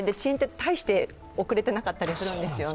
大して遅れていなかったりするんですよね。